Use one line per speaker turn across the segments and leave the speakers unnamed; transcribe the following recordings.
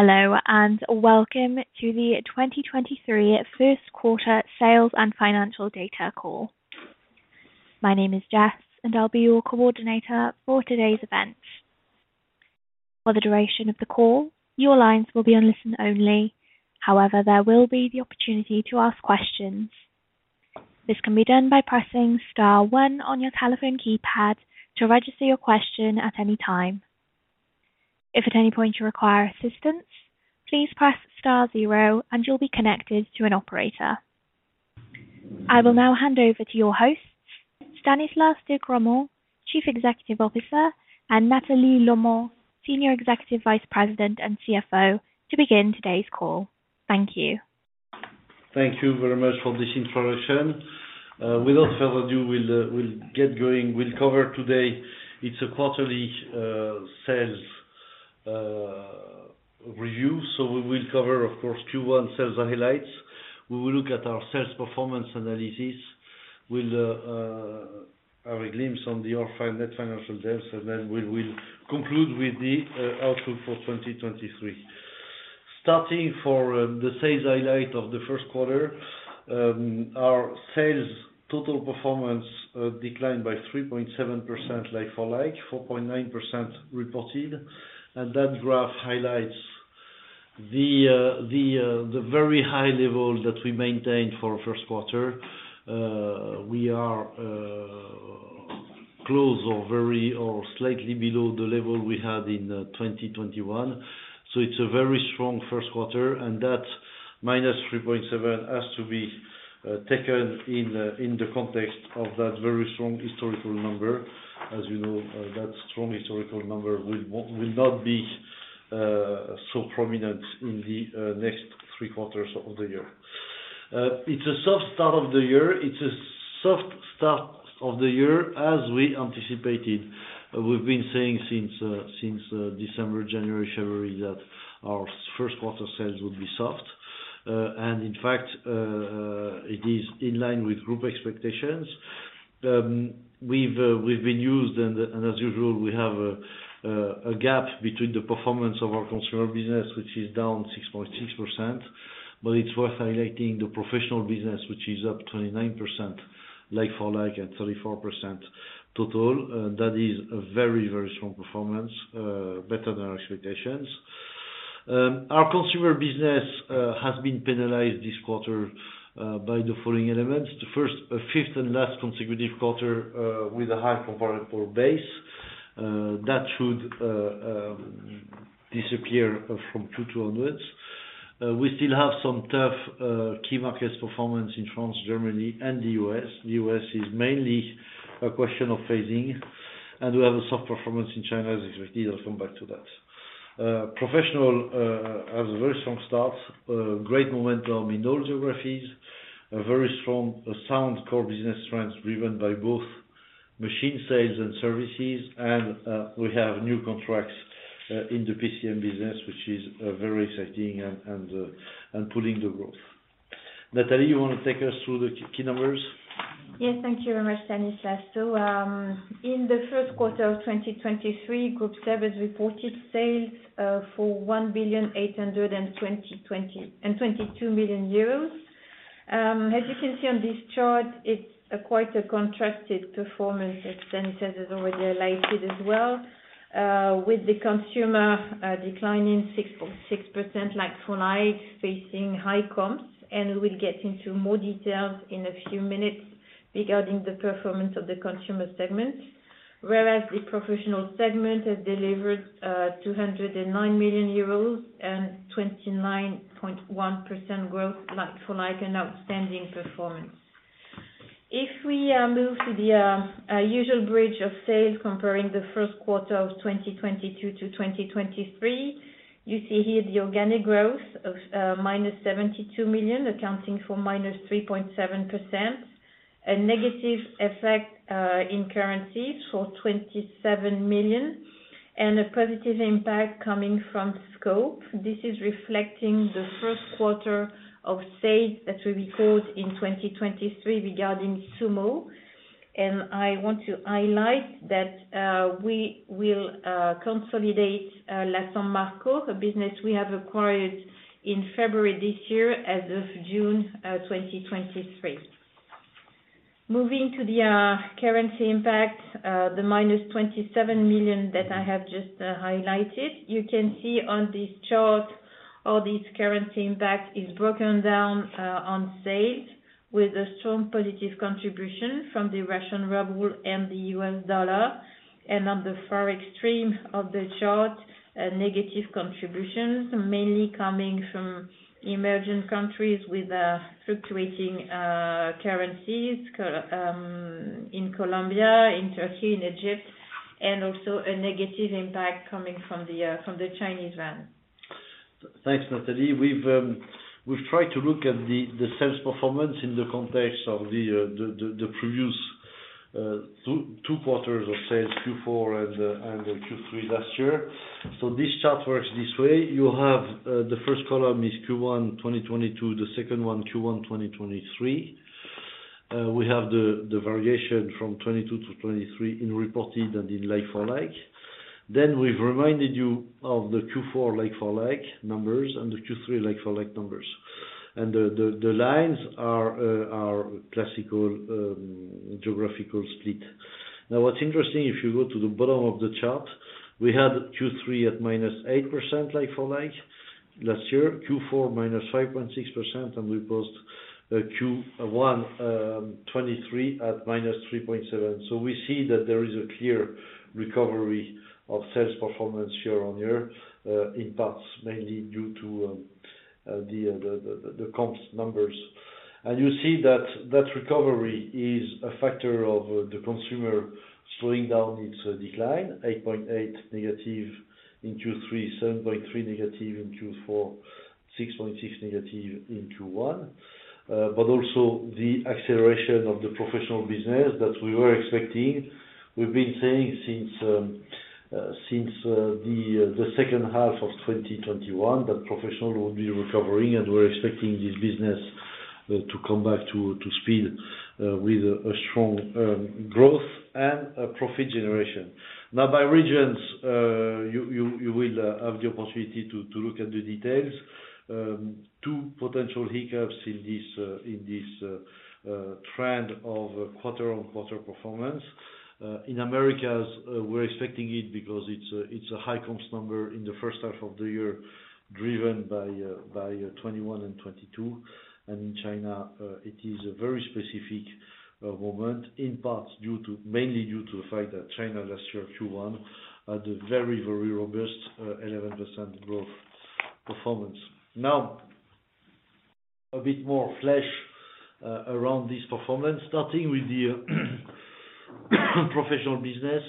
Hello, welcome to Groupe SEB 2023 First Quarter Sales and Financial Data Call. My name is Jess, and I'll be your coordinator for today's event. For the duration of the call, your lines will be on listen only. However, there will be the opportunity to ask questions. This can be done by pressing star one on your telephone keypad to register your question at any time. If at any point you require assistance, please press star zero and you'll be connected to an operator. I will now hand over to your host, Stanislas de Gramont, Chief Executive Officer, and Nathalie Lomon, Senior Executive Vice President and CFO, to begin today's call. Thank you.
Thank you very much for this introduction. Without further ado, we'll get going. We'll cover today, it's a quarterly sales review, we will cover, of course, Q1 sales highlights. We will look at our sales performance analysis. We'll have a glimpse on the overall net financial debts, we will conclude with the outlook for 2023. Starting for the sales highlight of the first quarter, our sales total performance declined by 3.7% like-for-like, 4.9% reported. That graph highlights the very high level that we maintained for first quarter. We are close or very or slightly below the level we had in 2021, so it's a very strong first quarter, and that -3.7% has to be taken in in the context of that very strong historical number. As you know, that strong historical number will not be so prominent in the next three quarters of the year. It's a soft start of the year. It's a soft start of the year as we anticipated. We've been saying since December, January, February, that our first quarter sales would be soft. In fact, it is in line with group expectations. We've been used, and as usual, we have a gap between the performance of our consumer business, which is down 6.6%, but it's worth highlighting the professional business, which is up 29% like-for-like, and 34% total. That is a very strong performance, better than our expectations. Our consumer business has been penalized this quarter by the following elements. The fifth and last consecutive quarter with a high comparable base that should disappear from Q2 onwards. We still have some tough key markets performance in France, Germany and the U.S. The U.S. is mainly a question of phasing, and we have a soft performance in China as expected. I'll come back to that. Professional, has a very strong start, great momentum in all geographies, a very strong, sound core business trends driven by both machine sales and services. We have new contracts, in the PCM business, which is, very exciting and pulling the growth. Nathalie, you wanna take us through the key numbers?
Yes. Thank you very much, Stanislas. In the first quarter of 2023, Groupe SEB has reported sales for 1,822 million euros. As you can see on this chart, it's quite a contrasted performance as Stanislas has already highlighted as well, with the consumer declining 6.6% like-for-like facing high comps, and we'll get into more details in a few minutes regarding the performance of the consumer segment. Whereas the professional segment has delivered 209 million euros and 29.1% growth like-for-like, an outstanding performance. If we move to the usual bridge of sales comparing the first quarter of 2022 to 2023, you see here the organic growth of -72 million, accounting for -3.7%. A negative effect in currencies for 27 million, a positive impact coming from scope. This is reflecting the first quarter of sales that we record in 2023 regarding Zummo. I want to highlight that we will consolidate La San Marco, a business we have acquired in February this year, as of June 2023. Moving to the currency impact, the -27 million that I have just highlighted. You can see on this chart all this currency impact is broken down on sales with a strong positive contribution from the Russian ruble and the US dollar. On the far extreme of the chart, a negative contributions mainly coming from emerging countries with fluctuating currencies, in Colombia, in Turkey, in Egypt, and also a negative impact coming from the Chinese yuan.
Thanks, Nathalie. We've tried to look at the sales performance in the context of the previous two quarters of sales, Q4 and Q3 last year. This chart works this way. You have the first column is Q1 2022, the second one Q1 2023. We have the variation from 2022-2023 in reported and in like-for-like. We've reminded you of the Q4 like-for-like numbers and the Q3 like-for-like numbers. The lines are classical geographical split. What's interesting, if you go to the bottom of the chart, we had Q3 at minus 8% like-for-like last year, Q4 minus 5.6%, and we post Q1 2023 at minus 3.7%. We see that there is a clear recovery of sales performance year on year, in parts mainly due to the comps numbers. You see that that recovery is a factor of the consumer slowing down its decline, 8.8% negative in Q3, 7.3% negative in Q4, 6.6% negative in Q1. But also the acceleration of the professional business that we were expecting. We've been saying since since the second half of 2021 that professional will be recovering and we're expecting this business to come back to speed with a strong growth and a profit generation. Now, by regions, you will have the opportunity to look at the details. Two potential hiccups in this trend of quarter-on-quarter performance. In Americas, we're expecting it because it's a high comps number in the first half of the year, driven by 2021 and 2022. And in China, it is a very specific moment, mainly due to the fact that China last year, Q1, had a very robust 11% growth performance. Now, a bit more flesh around this performance, starting with the professional business.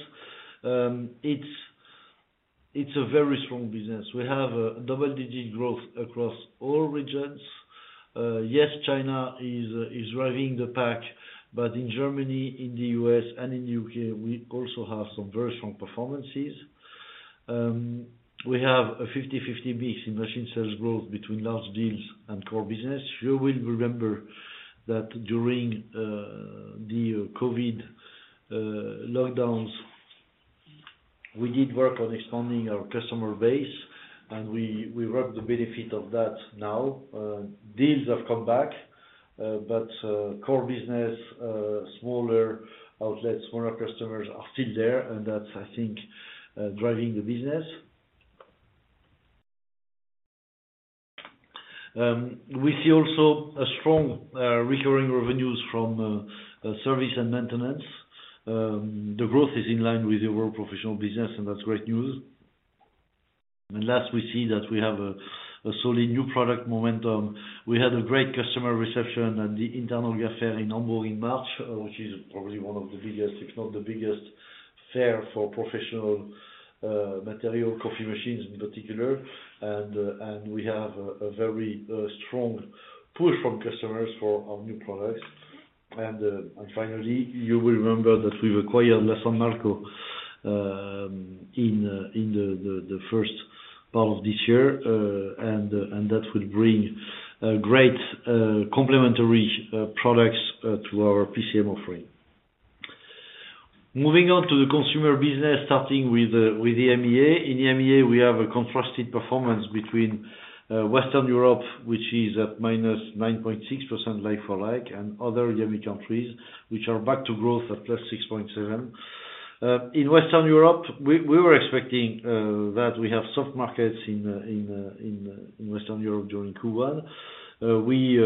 It's a very strong business. We have a double-digit growth across all regions. Yes, China is driving the pack, but in Germany, in the U.S., and in U.K., we also have some very strong performances. We have a 50/50 mix in machine sales growth between large deals and core business. You will remember that during the COVID lockdowns, we did work on expanding our customer base, and we reap the benefit of that now. Deals have come back, but core business, smaller outlets, smaller customers are still there, and that's, I think, driving the business. We see also a strong recurring revenues from service and maintenance. The growth is in line with the overall professional business, and that's great news. Last, we see that we have a solid new product momentum. We had a great customer reception at the INTERNORGA fair in Hamburg in March, which is probably one of the biggest, if not the biggest, fair for professional material coffee machines in particular. We have a very strong pull from customers for our new products. Finally, you will remember that we've acquired La San Marco in the first part of this year. That will bring great complementary products to our PCM offering. Moving on to the consumer business, starting with EMEA. In EMEA, we have a contrasted performance between Western Europe, which is at -9.6% like-for-like, and other EMEA countries, which are back to growth at +6.7%. In Western Europe, we were expecting that we have soft markets in Western Europe during Q1. We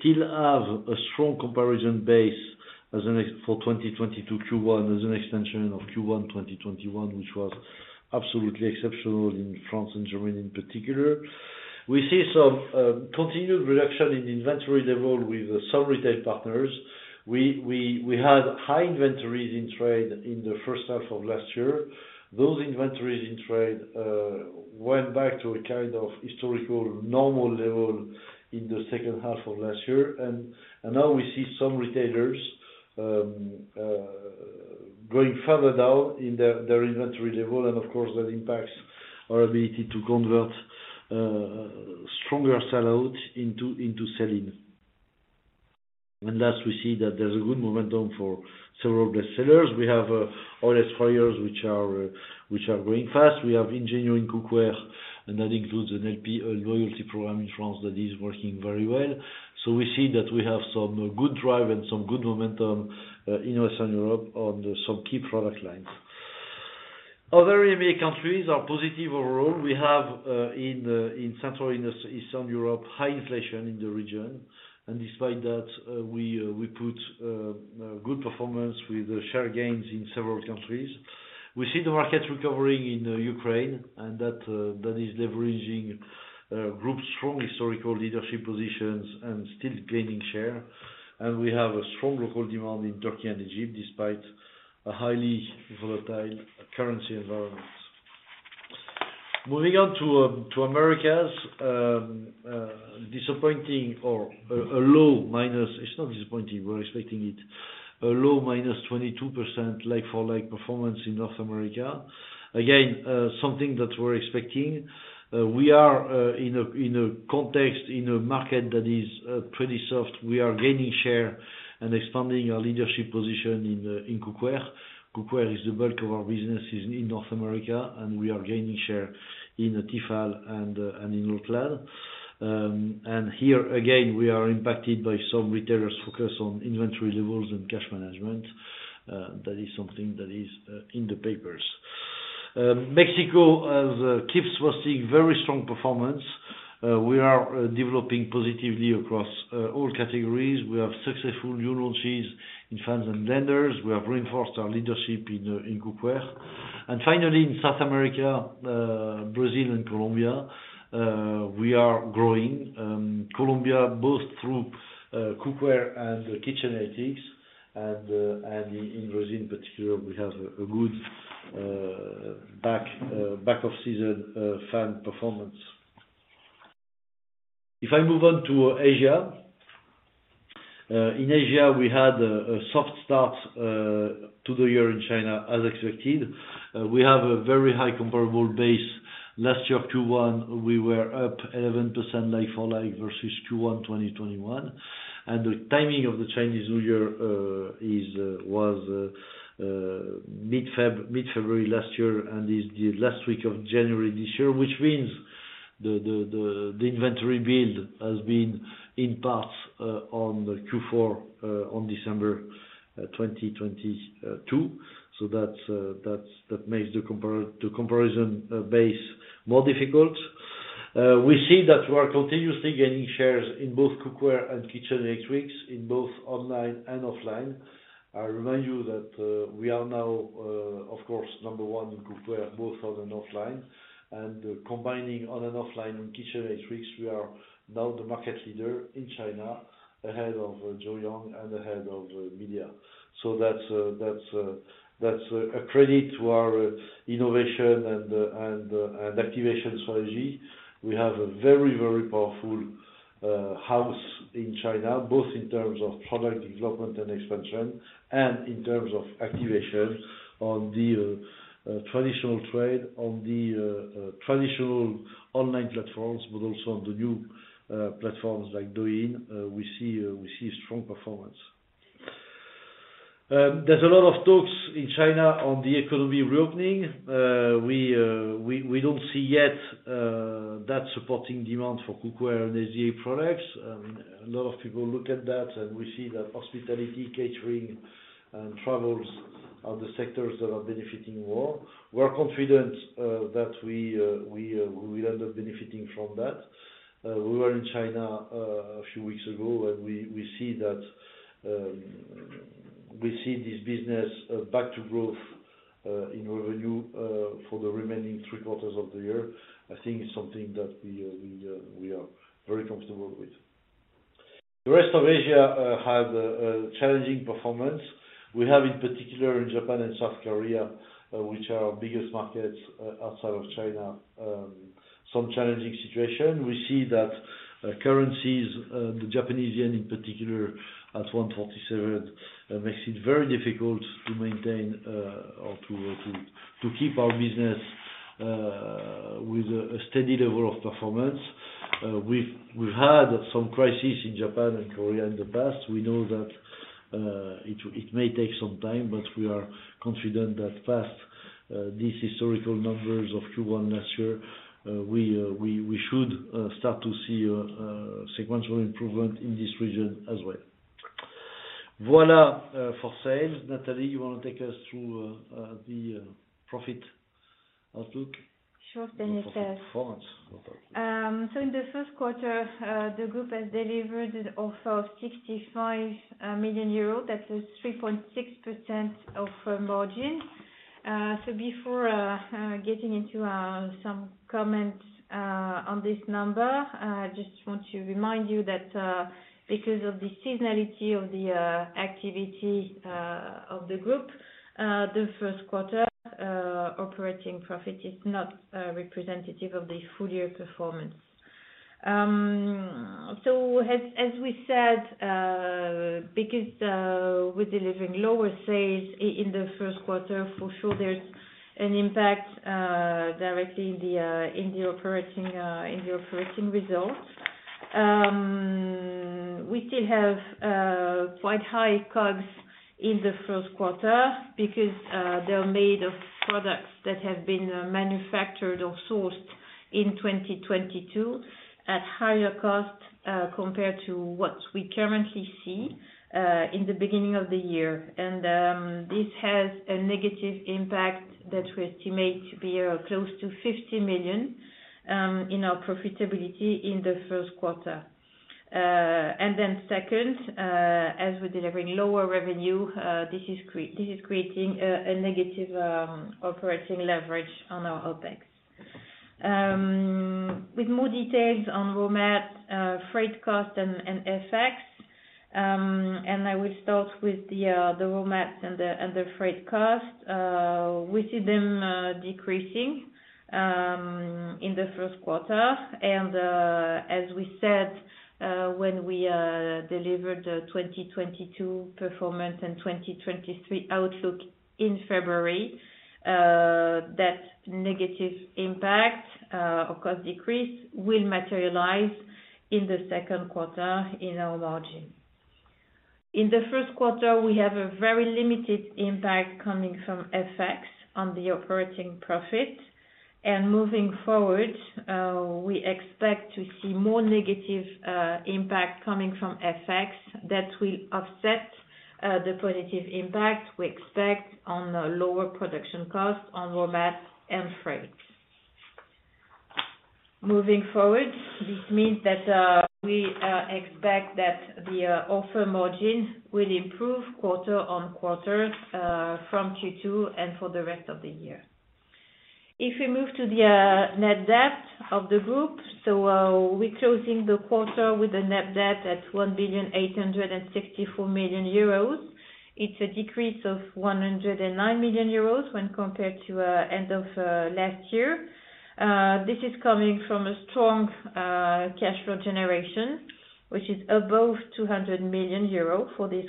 still have a strong comparison base for 2022 Q1 as an extension of Q1 2021, which was absolutely exceptional in France and Germany in particular. We see some continued reduction in inventory level with some retail partners. We had high inventories in trade in the first half of last year. Those inventories in trade went back to a kind of historical normal level in the second half of last year. Now we see some retailers going further down in their inventory level and of course that impacts our ability to convert stronger sell-out into sell-in. Last, we see that there's a good momentum for several bestsellers. We have oil sprayers which are growing fast. We have Ingenio cookware and that includes an LP, a loyalty program in France that is working very well. We see that we have some good drive and some good momentum in Western Europe on some key product lines. Other EMEA countries are positive overall. We have in Central and Eastern Europe, high inflation in the region. Despite that, we put good performance with share gains in several countries. We see the market recovering in Ukraine, that is leveraging Groupe's strong historical leadership positions and still gaining share. We have a strong local demand in Turkey and Egypt, despite a highly volatile currency environments. Moving on to Americas. It's not disappointing. We're expecting it. A low minus 22% like-for-like performance in North America. Again, something that we're expecting. We are in a context, in a market that is pretty soft. We are gaining share and expanding our leadership position in cookware. Cookware is the bulk of our businesses in North America. We are gaining share in Tefal and in All-Clad. Here, again, we are impacted by some retailers focused on inventory levels and cash management. That is something that is in the papers. Mexico, as [KIFs] was seeing very strong performance. We are developing positively across all categories. We have successful new launches in fans and blenders. We have reinforced our leadership in cookware. Finally, in South America, Brazil and Colombia, we are growing. Colombia both through cookware and kitchen electrics and in Brazil particular, we have a good back of season fan performance. If I move on to Asia. In Asia, we had a soft start to the year in China as expected. We have a very high comparable base. Last year, Q1, we were up 11% like-for-like versus Q1 2021. The timing of the Chinese New Year was mid-February last year and is the last week of January this year. Which means the inventory build has been in parts on Q4 on December 2022. That's, that makes the comparison base more difficult. We see that we're continuously gaining shares in both cookware and kitchen electrics in both online and offline. I remind you that we are now, of course, number one in cookware, both on and offline. Combining on and offline on kitchen electrics, we are now the market leader in China, ahead of Joyoung and ahead of Midea. That's a credit to our innovation and activation strategy. We have a very powerful house in China, both in terms of product development and expansion and in terms of activation on the traditional trade, on the traditional online platforms, but also on the new platforms like Douyin. We see strong performance. There's a lot of talks in China on the economy reopening. We don't see yet that supporting demand for cookware and HDA products. A lot of people look at that, we see that hospitality, catering, and travels are the sectors that are benefiting more. We're confident that we end up benefiting from that. We were in China a few weeks ago, we see that we see this business back to growth in revenue for the remaining three quarters of the year. I think it's something that we are very comfortable with. The rest of Asia had a challenging performance. We have, in particular in Japan and South Korea, which are our biggest markets outside of China, some challenging situation. We see that currencies, the Japanese yen in particular at 147, makes it very difficult to maintain or to keep our business with a steady level of performance. We've had some crisis in Japan and Korea in the past. We know that it may take some time, but we are confident that past these historical numbers of Q1 last year, we should start to see a sequential improvement in this region as well. Voila, for sales. Nathalie, you wanna take us through the profit outlook?
Sure, Stanislas. In the first quarter, the group has delivered of 65 million euro. That is 3.6% of margin. Before getting into some comments on this number, I just want to remind you that because of the seasonality of the activity of the group, the first quarter operating profit is not representative of the full year performance. As we said, because we're delivering lower sales in the first quarter, for sure there's an impact directly in the operating results. We still have quite high costs in the first quarter because they're made of products that have been manufactured or sourced in 2022 at higher cost compared to what we currently see in the beginning of the year. This has a negative impact that we estimate to be close to 50 million in our profitability in the first quarter. Second, as we're delivering lower revenue, this is creating a negative operating leverage on our OpEx. With more details on raw mat, freight cost and FX, and I will start with the raw mats and the freight costs. We see them decreasing in the first quarter. As we said, when we delivered the 2022 performance and 2023 outlook in February, that negative impact of cost decrease will materialize in the second quarter in our margin. In the first quarter, we have a very limited impact coming from FX on the operating profit. Moving forward, we expect to see more negative impact coming from FX that will offset the positive impact we expect on lower production costs on raw mat and freight. Moving forward, this means that we expect that the offer margin will improve quarter on quarter from Q2 and for the rest of the year. If we move to the net debt of the group, we're closing the quarter with a net debt at 1.864 billion. It's a decrease of 109 million euros when compared to end of last year. This is coming from a strong cash flow generation, which is above 200 million euros for this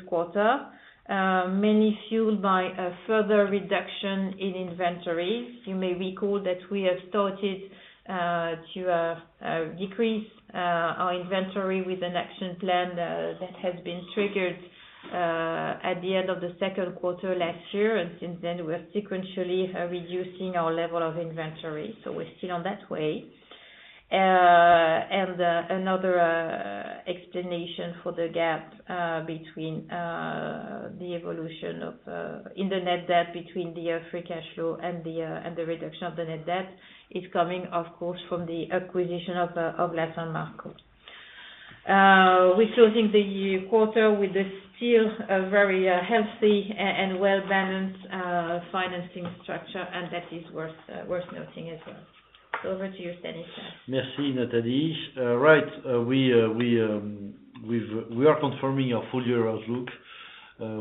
quarter, mainly fueled by a further reduction in inventory. You may recall that we have started to decrease our inventory with an action plan that has been triggered at the end of the second quarter last year. Since then, we're sequentially reducing our level of inventory, so we're still on that way. Another explanation for the gap between the evolution of in the net debt between the free cash flow and the and the reduction of the net debt is coming, of course, from the acquisition of La San Marco. We're closing the quarter with a still, very, healthy and well-balanced, financing structure, and that is worth noting as well. Over to you, Stanislas.
Merci, Nathalie. Right. We are confirming our full year outlook.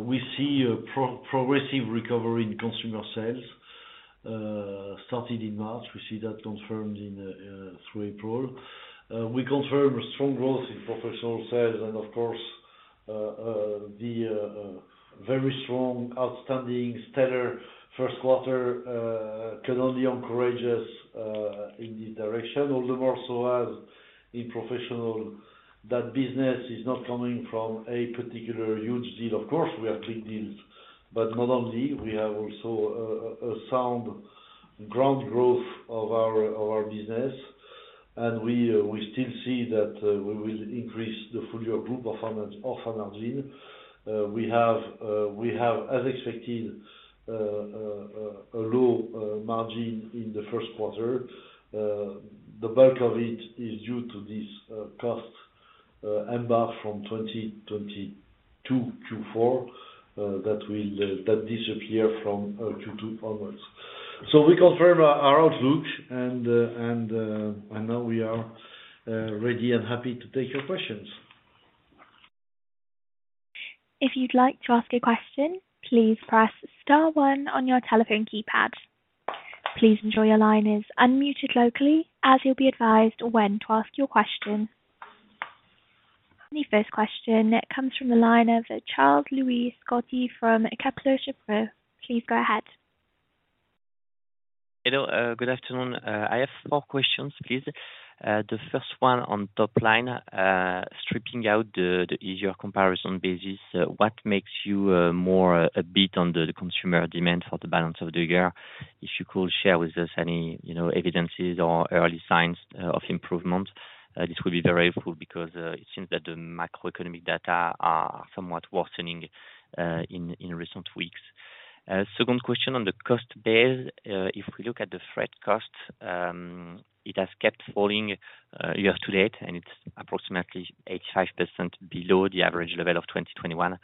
We see a pro-progressive recovery in consumer sales, starting in March. We see that confirmed in through April. We confirm strong growth in professional sales and of course, the very strong, outstanding, stellar first quarter, can only encourage us in this direction. All the more so as in professional, that business is not coming from a particular huge deal. Of course, we have big deals, but not only, we have also a sound ground growth of our business. We still see that we will increase the full year group performance offer margin. We have as expected, a low margin in the first quarter. The bulk of it is due to this cost embark from 2022 Q4, that will disappear from Q2 onwards. We confirm our outlook and now we are ready and happy to take your questions.
If you'd like to ask a question, please press star one on your telephone keypad. Please ensure your line is unmuted locally as you'll be advised when to ask your question. The first question comes from the line of Charles-Louis Scotti from Kepler Cheuvreux. Please go ahead.
Hello. Good afternoon. I have four questions, please. The first one on top line, stripping out the easier comparison basis. What makes you more a beat on the consumer demand for the balance of the year? If you could share with us any, you know, evidences or early signs of improvement, this will be very helpful because it seems that the macroeconomic data are somewhat worsening in recent weeks. Second question on the cost base. If we look at the freight cost, it has kept falling year to date, and it's approximately 85% below the average level of 2021.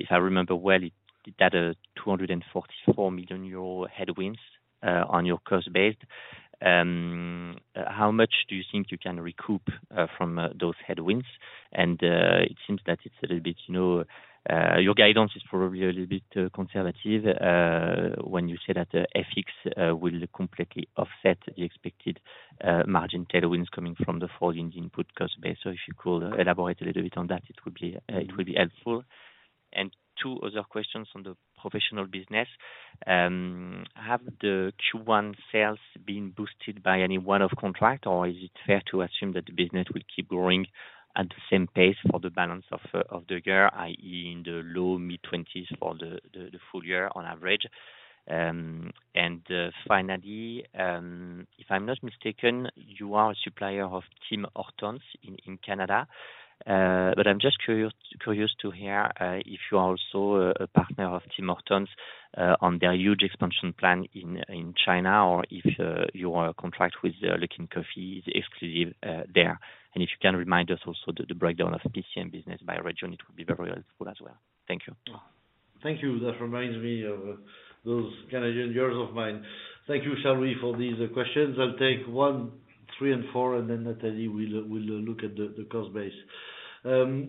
If I remember well, it had a 244 million euro headwinds on your cost base. How much do you think you can recoup from those headwinds? It seems that it's a little bit, you know, your guidance is probably a little bit conservative when you say that the FX will completely offset the expected margin tailwinds coming from the falling input cost base. If you could elaborate a little bit on that, it would be helpful. Two other questions on the professional business. Have the Q1 sales been boosted by any one of contract or is it fair to assume that the business will keep growing at the same pace for the balance of the year, i.e., in the low mid-twenties for the full year on average? Finally, if I'm not mistaken, you are a supplier of Tim Hortons in Canada. I'm just curious to hear if you are also a partner of Tim Hortons on their huge expansion plan in China or if your contract with Luckin Coffee is exclusive there. You can remind us also the breakdown of PCM business by region, it would be very helpful as well. Thank you.
Thank you. That reminds me of those Canadian viewers of mine. Thank you, Charles Louis, for these questions. I'll take one, three, and four, and then Nathalie will look at the cost base.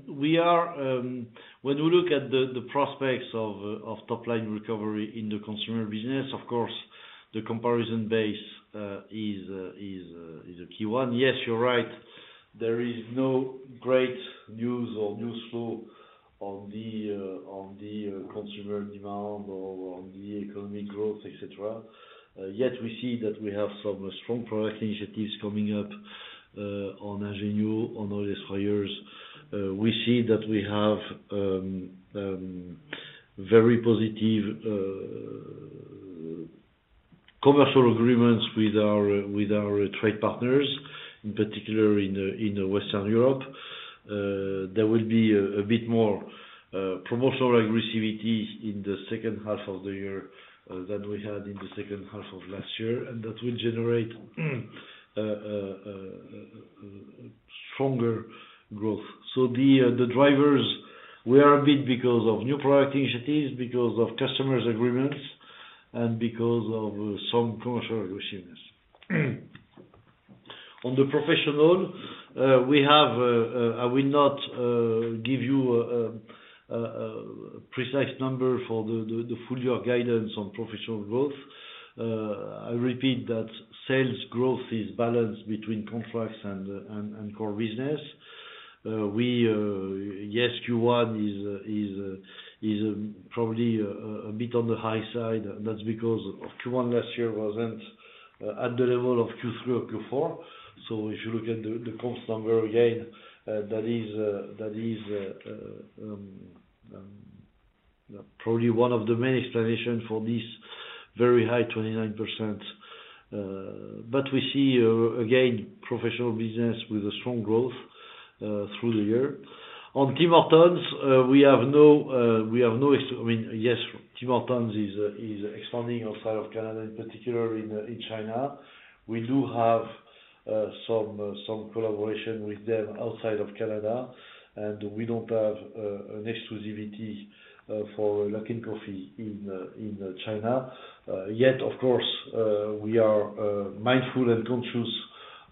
We are, when we look at the prospects of top line recovery in the consumer business, of course, the comparison base is a key one. Yes, you're right. There is no great news or news flow on the consumer demand or on the economic growth, et cetera. We see that we have some strong product initiatives coming up on Ingenio, on L'OR Espresso. We see that we have very positive commercial agreements with our trade partners, in particular in Western Europe. There will be a bit more promotional aggressivity in the second half of the year than we had in the second half of last year. That will generate stronger growth. The drivers, we are a bit because of new product initiatives, because of customers agreements and because of some commercial aggressiveness. On the professional, we have, I will not give you a precise number for the full year guidance on professional growth. I repeat that sales growth is balanced between contracts and core business. We, yes, Q1 is probably a bit on the high side. That's because of Q1 last year wasn't at the level of Q3 or Q4. If you look at the const number, again, that is, that is probably one of the main explanation for this very high 29%. We see again, professional business with a strong growth through the year. On Tim Hortons, we have no, I mean, yes, Tim Hortons is expanding outside of Canada, in particular in China. We do have some collaboration with them outside of Canada, and we don't have an exclusivity for Luckin Coffee in China. Of course, we are mindful and conscious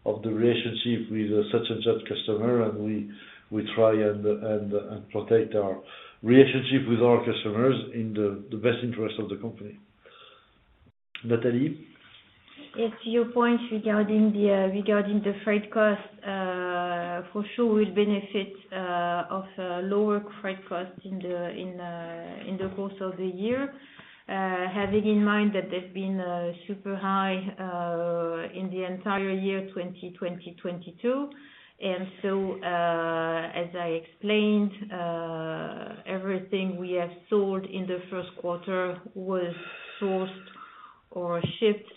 of the relationship with such and such customer, and we try and protect our relationship with our customers in the best interest of the company. Nathalie?
Yes. To your point regarding the freight cost, for sure, we'll benefit of lower freight costs in the course of the year, having in mind that they've been super high in the entire year 2022. As I explained, everything we have sold in the first quarter was sourced or shipped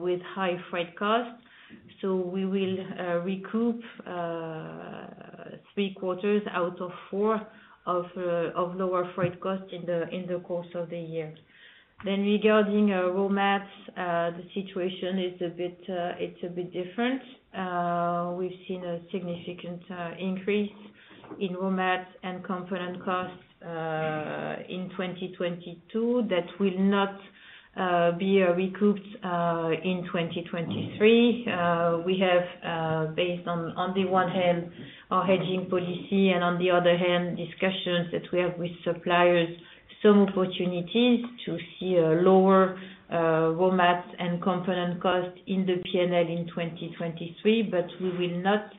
with high freight costs. We will recoup three quarters out of four of lower freight costs in the course of the year. Regarding raw mats, the situation is a bit different. We've seen a significant increase in raw mats and component costs in 2022. That will not be recouped in 2023. We have, based on the one hand, our hedging policy and on the other hand, discussions that we have with suppliers, some opportunities to see a lower raw mats and component costs in the PNL in 2023. We will not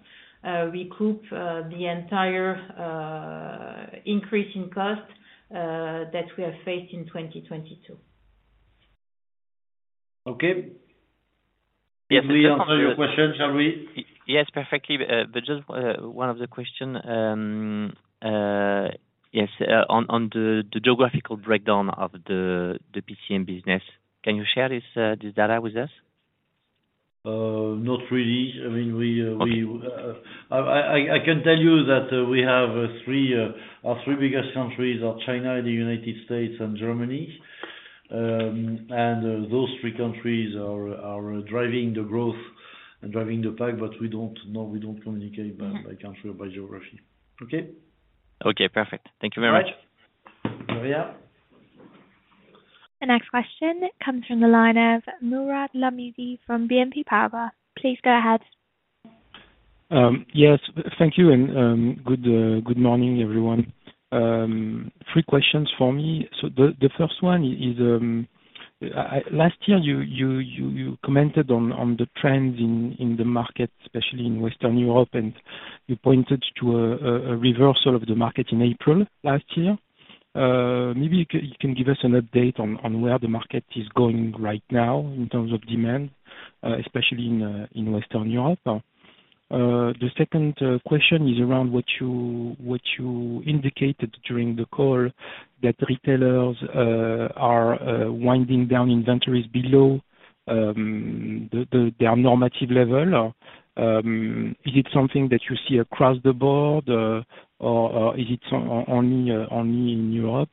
recoup the entire increase in cost that we have faced in 2022.
Okay.
Yes. We answer your question, Charlie?
Yes, perfectly. Just one other question, yes, on the geographical breakdown of the PCM business. Can you share this data with us?
Not really. I mean,
Okay.
We, I can tell you that, we have our three biggest countries are China, the United States, and Germany. Those three countries are driving the growth and driving the pack. We don't, no, we don't communicate by country or by geography. Okay?
Okay, perfect. Thank you very much.
All right. Maria?
The next question comes from the line of Mourad Lahmidi from BNP Paribas. Please go ahead.
Yes, thank you. Good morning, everyone. Three questions for me. The first one is, last year, you commented on the trends in the market, especially in Western Europe. You pointed to a reversal of the market in April last year. Maybe you can give us an update on where the market is going right now in terms of demand, especially in Western Europe. The second question is around what you indicated during the call that retailers are winding down inventories below their normative level. Is it something that you see across the board, or is it only in Europe?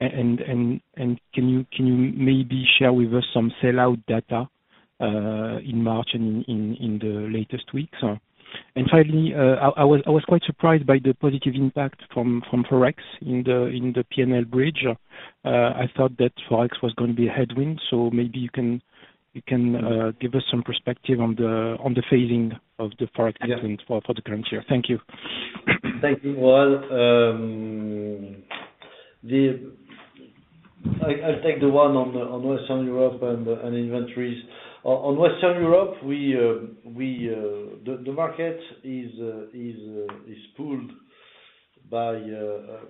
Can you maybe share with us some sell-out data in March and in the latest weeks? Finally, I was quite surprised by the positive impact from ForEx in the PNL bridge. I thought that ForEx was gonna be a headwind, so maybe you can give us some perspective on the fading of the ForEx incident. For the current year. Thank you.
Thank you, Mourad. I'll take the one on Western Europe and inventories. On Western Europe, we the market is pulled by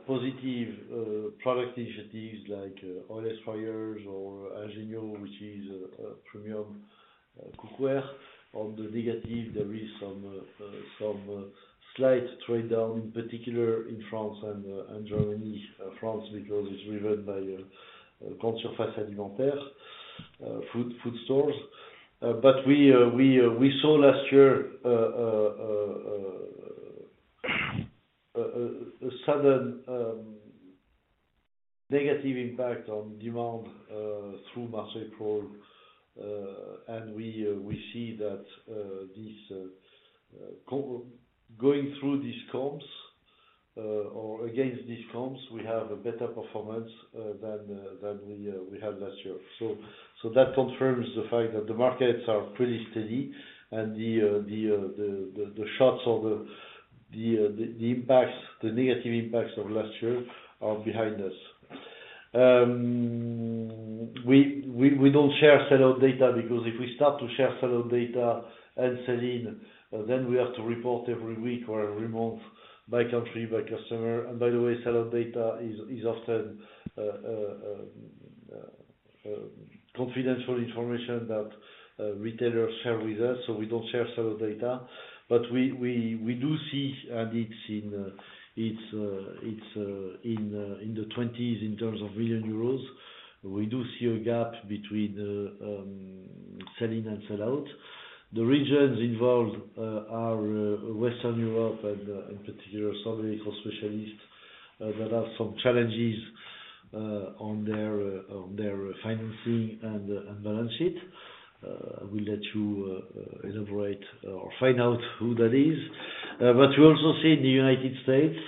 positive product initiatives like oil-less fryers or Ingenio, which is a premium cookware. On the negative there is some slight trade down, in particular in France and Germany. France, because it's driven by a grande surface alimentaire, food stores. We saw last year a sudden negative impact on demand through March, April. We see that this going through these comps or against these comps, we have a better performance than we had last year. That confirms the fact that the markets are pretty steady and the shots or the impacts, the negative impacts of last year are behind us. We don't share sell-out data because if we start to share sell-out data and sell-in, then we have to report every week or every month by country, by customer. By the way, sell-out data is often confidential information that retailers share with us, so we don't share sell-out data. We do see, and it's in the 20s in terms of million euros. We do see a gap between the sell-in and sell-out. The regions involved are Western Europe and, in particular, some very core specialists that have some challenges on their financing and balance sheet. We'll let you elaborate or find out who that is. We also see in the United States,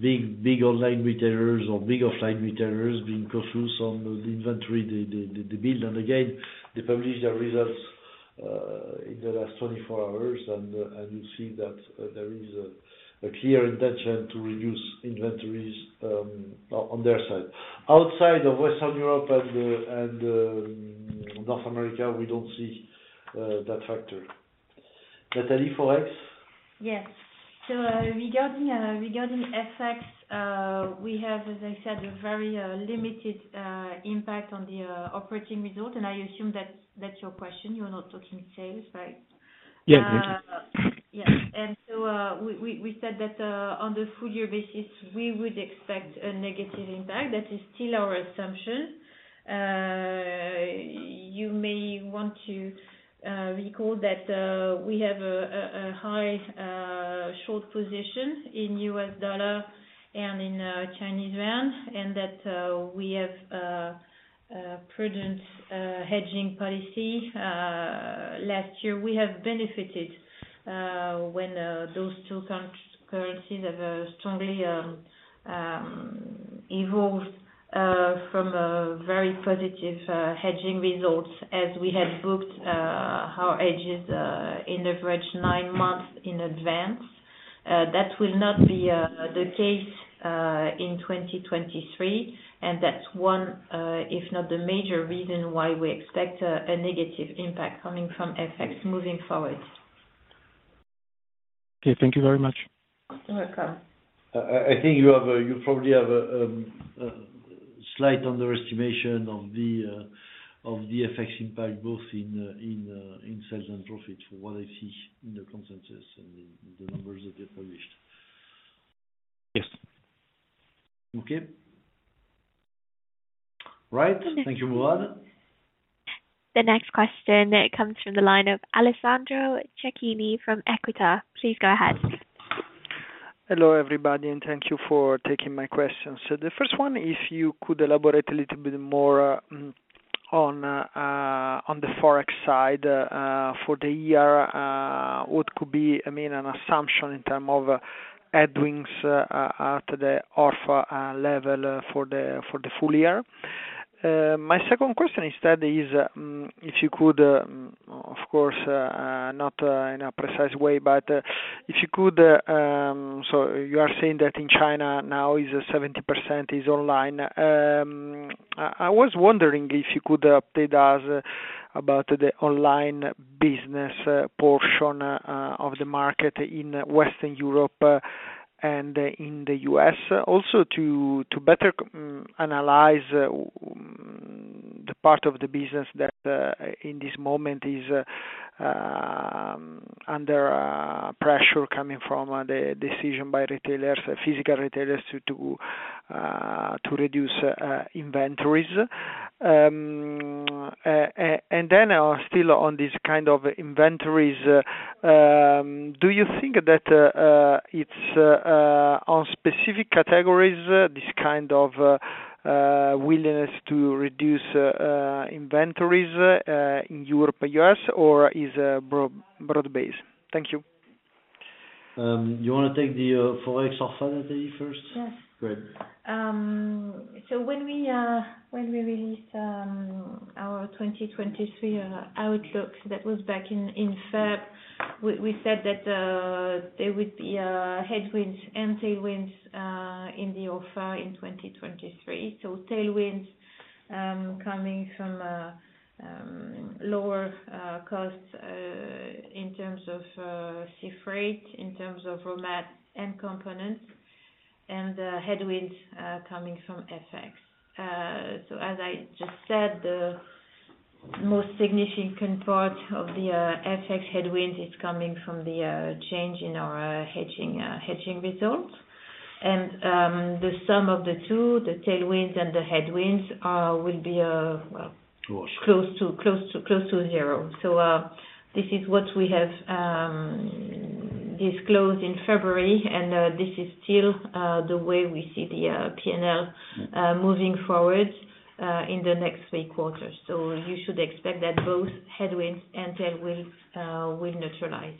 big online retailers or big offline retailers being cautious on the inventory they build. Again, they publish their results in the last 24 hours. You see that there is a clear intention to reduce inventories on their side. Outside of Western Europe and North America, we don't see that factor. Nathalie, Forex?
Yes. regarding FX, we have, as I said, a very limited impact on the operating result, and I assume that's your question. You're not talking sales, right?
Yes.
Yeah. We said that on the full year basis, we would expect a negative impact. That is still our assumption. You may want to recall that we have a high short position in US dollar and in Chinese yuan. We have a prudent hedging policy. Last year we have benefited when those two currencies have strongly evolved from very positive hedging results as we had booked our hedges in average nine months in advance. That will not be the case in 2023, and that's one, if not the major reason why we expect a negative impact coming from FX moving forward.
Okay, thank you very much.
You're welcome.
I think you probably have a slight underestimation of the FX impact, both in sales and profit from what I see in the consensus and in the numbers that they published.
Yes.
Okay. Right. Thank you, Mourad.
The next question comes from the line of Alessandro Cecchini from Equita. Please go ahead.
Hello, everybody, and thank you for taking my questions. The first one, if you could elaborate a little bit more, on the Forex side, for the year. What could be, I mean, an assumption in term of headwinds, at the half level for the, for the full year? My second question instead is, if you could, of course, not, in a precise way, but, if you could... You are saying that in China now is 70% is online. I was wondering if you could update us about the online business, portion, of the market in Western Europe, and in the U.S.? Also to better analyze the part of the business that in this moment is under pressure coming from the decision by retailers, physical retailers to reduce inventories. And then, still on this kind of inventories, do you think that it's on specific categories, this kind of willingness to reduce inventories in Europe and U.S. or is broad base? Thank you.
You wanna take the Forex or F.X. first?
Yes.
Great.
When we released our 2023 outlook, that was back in February, we said that there would be headwinds and tailwinds in the offer in 2023. Tailwinds coming from lower costs in terms of sea freight, in terms of raw mat and components, and the headwinds coming from FX. As I just said, the most significant part of the FX headwinds is coming from the change in our hedging results. The sum of the two, the tailwinds and the headwinds, will be.
Close.
close to zero. This is what we have disclosed in February, and this is still the way we see the PNL moving forward in the next three quarters. You should expect that both headwinds and tailwinds will neutralize.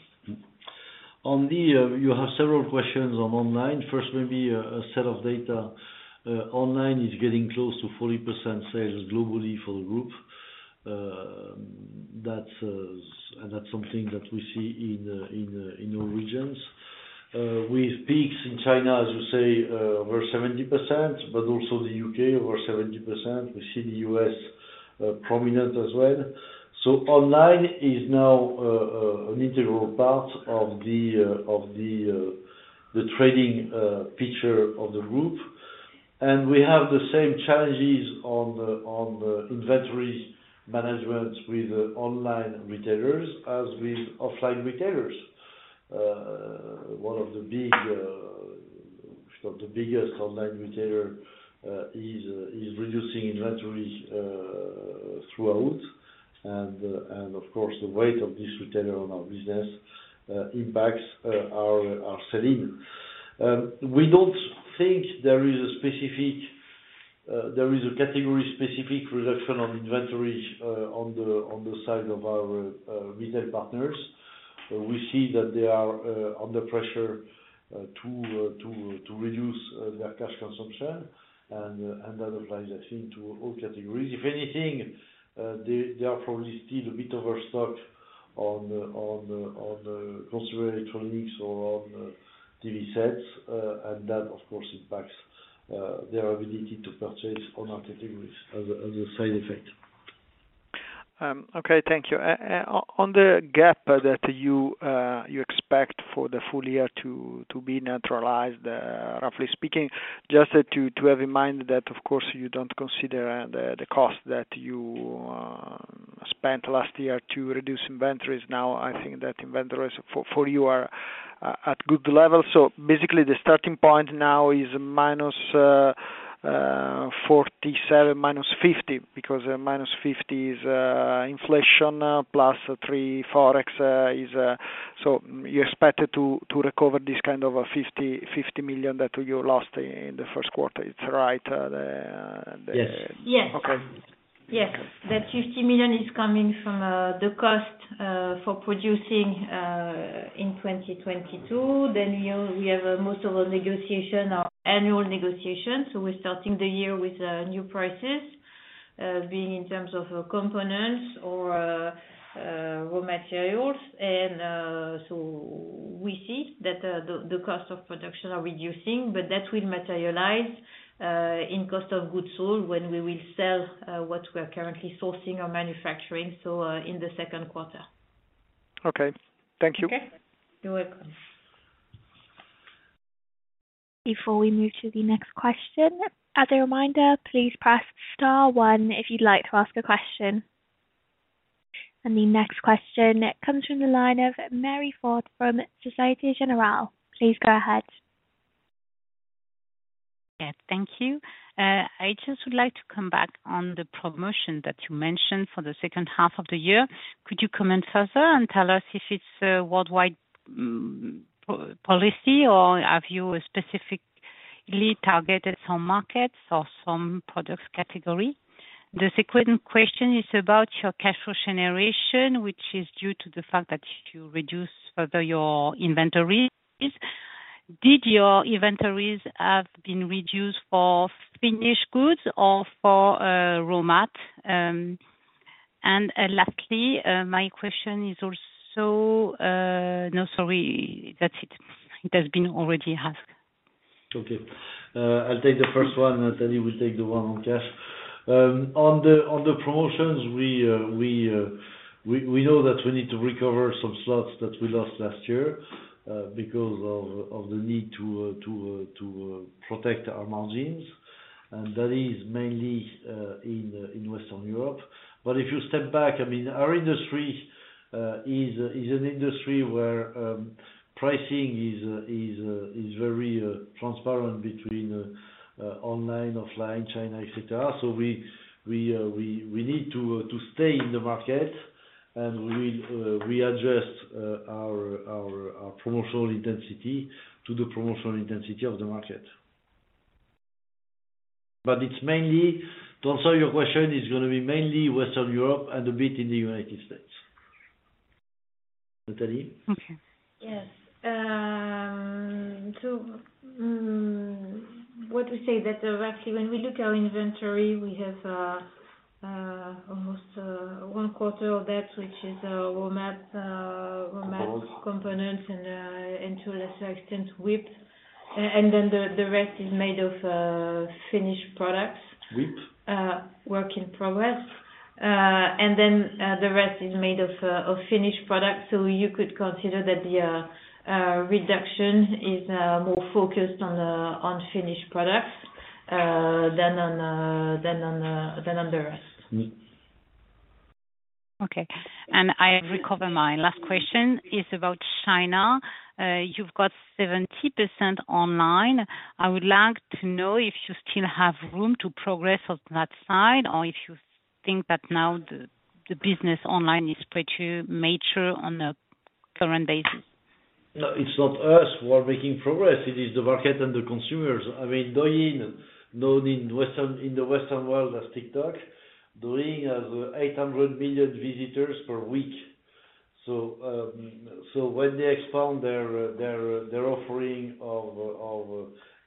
On the, you have several questions on online. First, maybe a set of data. Online is getting close to 40% sales globally for the group. That's and that's something that we see in all regions. With peaks in China, as you say, over 70%, but also the U.K. over 70%. We see the U.S. prominent as well. Online is now an integral part of the of the the trading picture of the group. We have the same challenges on the inventory management with online retailers as with offline retailers. One of the big the biggest online retailer is reducing inventory throughout. Of course, the weight of this retailer on our business impacts our selling. We don't think there is a category-specific reduction on inventory on the side of our retail partners. We see that they are under pressure to reduce their cash consumption and that applies, I think, to all categories. If anything, they are probably still a bit overstock on the consumer electronics or on TV sets, and that, of course, impacts their ability to purchase other categories as a side effect.
Okay, thank you. On the gap that you expect for the full year to be neutralized, roughly speaking, just to have in mind that of course you don't consider the cost that you spent last year to reduce inventories. Now, I think that inventories for you are at good levels. Basically the starting point now is -47, -50, because -50 is inflation plus three Forex. You expect to recover this kind of a 50 million that you lost in the first quarter. It's right, the?
Yes.
Yes.
Okay.
Yes. That 50 million is coming from the cost for producing in 2022. We have most of our negotiation, our annual negotiations. We're starting the year with new prices being in terms of components or raw materials. We see that the cost of production are reducing, but that will materialize in cost of goods sold when we will sell what we're currently sourcing or manufacturing, so in the second quarter.
Okay. Thank you.
Okay. You're welcome.
Before we move to the next question. As a reminder, please press star one if you'd like to ask a question. The next question comes from the line of Mary Ford from Société Générale. Please go ahead.
Yeah, thank you. I just would like to come back on the promotion that you mentioned for the second half of the year. Could you comment further and tell us if it's a worldwide policy, or have you specifically targeted some markets or some product category? The second question is about your cash flow generation, which is due to the fact that you reduce further your inventories. Did your inventories have been reduced for finished goods or for raw mat? Lastly, my question is also... No, sorry. That's it. It has been already asked.
Okay. I'll take the first one. Nathalie will take the one on cash. On the promotions, we know that we need to recover some slots that we lost last year because of the need to protect our margins, and that is mainly in Western Europe. If you step back, I mean, our industry is an industry where pricing is very transparent between online, offline, China, et cetera. We need to stay in the market, and we'll re-adjust our promotional intensity to the promotional intensity of the market. It's mainly, to answer your question, it's gonna be mainly Western Europe and a bit in the United States. Nathalie.
Okay.
Yes. What we say that, actually when we look our inventory, we have almost one quarter of that, which is road map components and to a lesser extent WIP. Then the rest is made of finished products.
WIP?
Work in progress. The rest is made of finished products. You could consider that the reduction is more focused on the finished products than on the rest.
Okay. I recover my last question is about China. You've got 70% online. I would like to know if you still have room to progress on that side, or if you think that now the business online is pretty mature on a current basis?
No, it's not us who are making progress, it is the market and the consumers. I mean, Douyin, known in Western, in the Western world as TikTok, Douyin has 800 million visitors per week. When they expand their offering of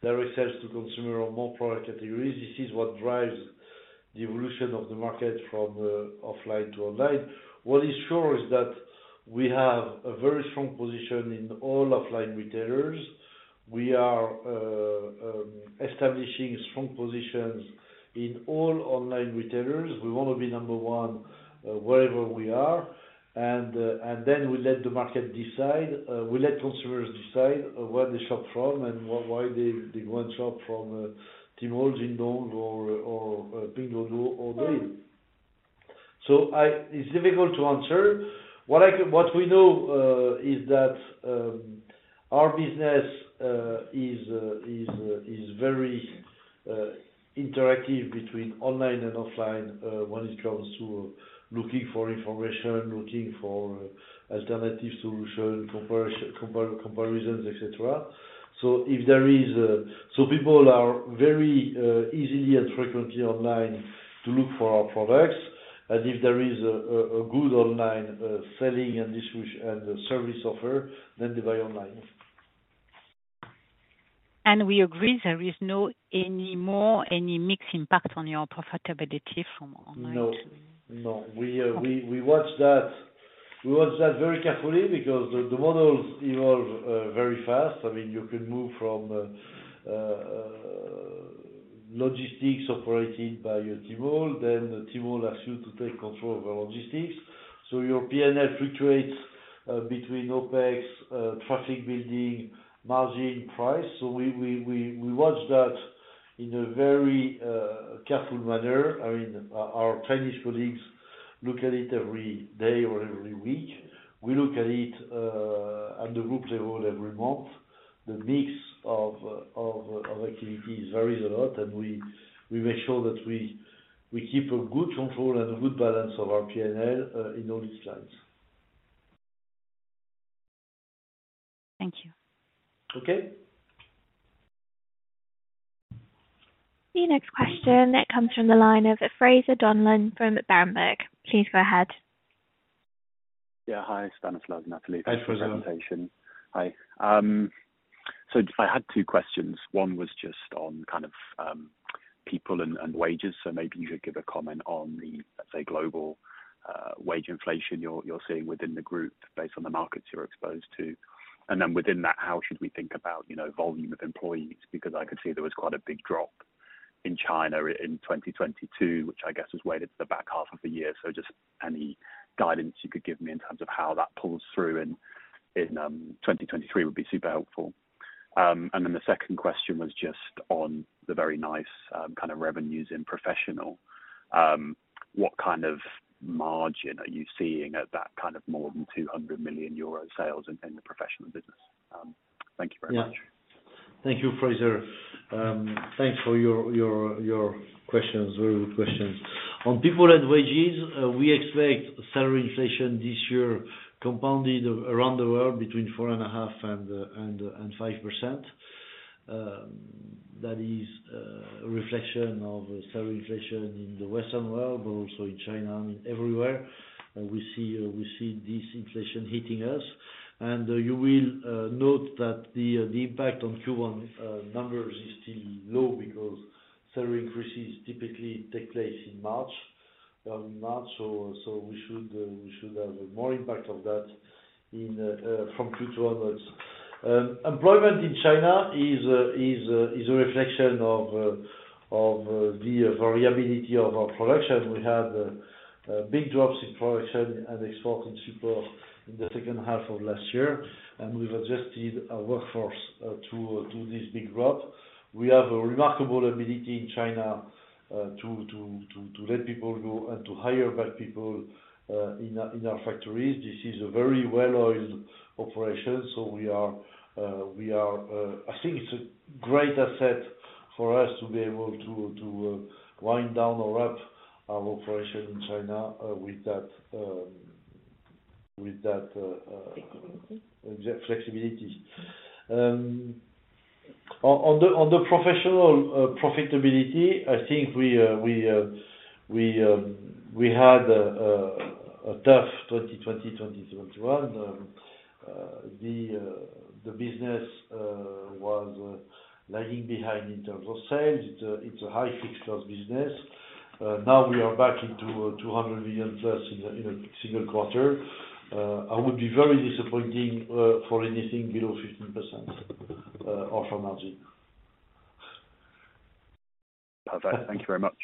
their sales to consumer or more product categories, this is what drives the evolution of the market from offline to online. What is sure is that we have a very strong position in all offline retailers. We are establishing strong positions in all online retailers. We wanna be number one wherever we are. Then we let the market decide, we let consumers decide where they shop from and why they go and shop from Tmall, Jingdong or Pinduoduo or Douyin. It's difficult to answer. What we know, is that, our business is very interactive between online and offline, when it comes to looking for information, looking for alternative solution, comparisons, et cetera. People are very easily and frequently online to look for our products. If there is a good online selling and distribution and service offer, then they buy online.
We agree there is no anymore any mixed impact on your profitability from online.
No, no. We watch that, we watch that very carefully because the models evolve very fast. I mean, you can move from logistics operated by Tmall, then Tmall asks you to take control of the logistics. Your PNL fluctuates between OPEX, traffic building, margin, price. We watch that in a very careful manner. I mean, our Chinese colleagues look at it every day or every week. We look at it at the group level every month. The mix of activity varies a lot, and we make sure that we keep a good control and a good balance of our PNL in all these clients.
Thank you.
Okay.
The next question that comes from the line of Fraser Donlon from Berenberg. Please go ahead.
Yeah. Hi, Stanislas and Nathalie.
Hi, Fraser.
Thanks for the presentation. Hi. I had two questions. One was just on kind of people and wages. Maybe you could give a comment on the, let's say, global wage inflation you're seeing within the group based on the markets you're exposed to. Within that, how should we think about, you know, volume of employees? Because I could see there was quite a big drop in China in 2022, which I guess was weighted to the back half of the year. Just any guidance you could give me in terms of how that pulls through in 2023 would be super helpful. The second question was just on the very nice kind of revenues in professional. What kind of margin are you seeing at that kind of more than 200 million euro sales in the professional business? Thank you very much.
Thank you, Fraser. Thanks for your questions. Very good questions. On people and wages, we expect salary inflation this year compounded around the world between 4.5% and 5%. That is a reflection of salary inflation in the Western world, but also in China and everywhere. We see this inflation hitting us. You will note that the impact on Q1 numbers is still low because salary increases typically take place in March. We should have more impact of that from Q2 onwards. Employment in China is a reflection of the variability of our production. We had big drops in production and export in the second half of last year. We've adjusted our workforce to this big drop. We have a remarkable ability in China to let people go and to hire back people in our factories. This is a very well-oiled operation. We are. I think it's a great asset for us to be able to wind down or up our operation in China with that.
Flexibility...
flexibility. On the professional profitability, I think we had a tough 2020, 2021. The business was lagging behind in terms of sales. It's a high fixed cost business. Now we are back into 200 million-plus in a single quarter. I would be very disappointing for anything below 15% operating margin.
Perfect. Thank you very much.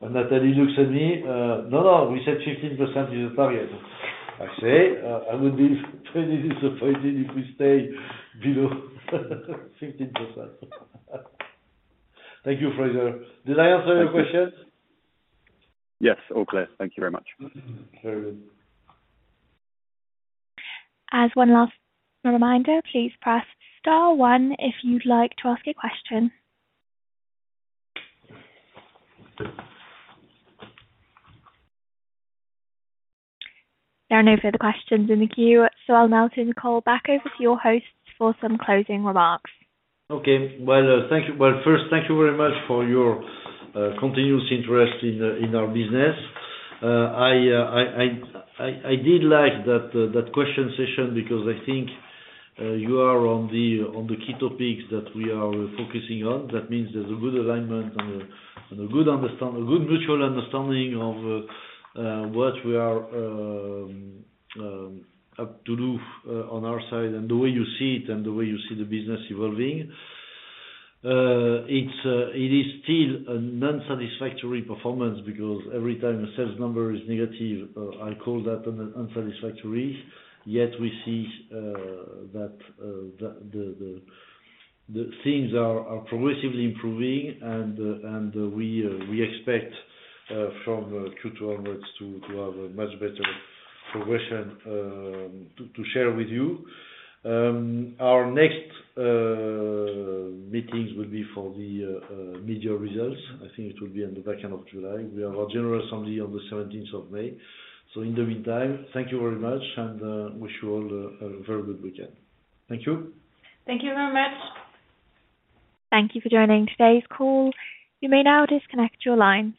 Nathalie looks at me, "No, no, we said 15% is the target." I say, "I would be pretty disappointed if we stay below 15%." Thank you, Fraser. Did I answer your question?
Yes. All clear. Thank you very much.
Very good.
As one last reminder, please press star one if you'd like to ask a question. There are no further questions in the queue, I'll now turn the call back over to your host for some closing remarks.
Okay. Well, thank you. Well, first, thank you very much for your continuous interest in our business. I did like that question session because I think you are on the, on the key topics that we are focusing on. That means there's a good alignment and a good mutual understanding of what we are up to do on our side and the way you see it and the way you see the business evolving. It's, it is still a non-satisfactory performance because every time a sales number is negative, I call that unsatisfactory. Yet we see that the things are progressively improving and we expect from Q12 months to have a much better progression to share with you. Our next meetings will be for the media results. I think it will be in the back end of July. We have our general assembly on the 17th of May. In the meantime, thank you very much, and wish you all a very good weekend. Thank you.
Thank you very much. Thank you for joining today's call. You may now disconnect your line.